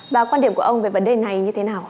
bà quan điểm của ông về vấn đề này như thế nào